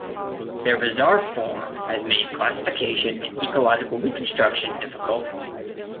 Their bizarre form has made classification and ecological reconstruction difficult.